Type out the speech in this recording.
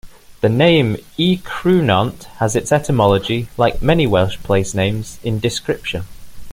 The name Y Creunant has its etymology, like many Welsh place names, in description.